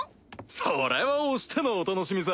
それは押してのお楽しみさ！